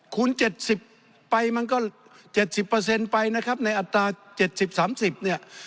คูณ๗๐ไปมันก็๗๐ไปนะครับในอัตรา๗๐๓๐เนี่ย